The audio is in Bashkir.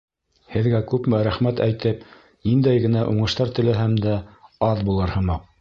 Һеҙгә күпме рәхмәт әйтеп, ниндәй генә уңыштар теләһәм дә, аҙ булыр һымаҡ.